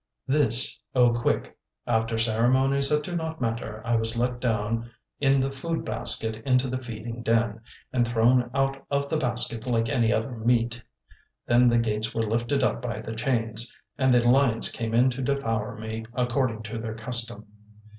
"This, O Quick. After ceremonies that do not matter, I was let down in the food basket into the feeding den, and thrown out of the basket like any other meat. Then the gates were lifted up by the chains, and the lions came in to devour me according to their custom."